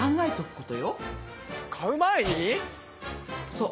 そう。